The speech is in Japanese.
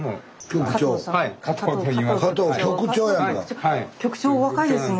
局長お若いですね。